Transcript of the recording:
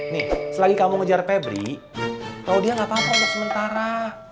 nih selagi kamu ngejar febri claudia nggak paham buat sementara